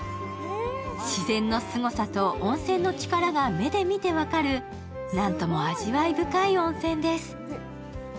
自然のすごさと温泉の力が目で見て分かるなんとも味わい深い温泉です。